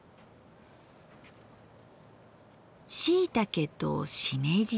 しいたけとしめじで。